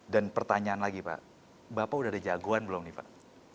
dan pertanyaan lagi pak bapak sudah ada jagoan belum nih pak